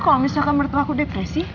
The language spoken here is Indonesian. kalau misalkan menurut aku depresi